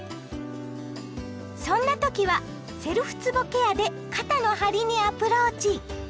そんな時はセルフつぼケアで肩の張りにアプローチ！